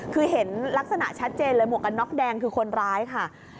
คือเห็นลักษณะชัดเจนเลยหมวกกันน็อกแดงคือคนร้ายค่ะ